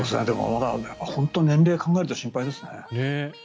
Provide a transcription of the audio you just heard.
でも本当に年齢を考えると心配ですね。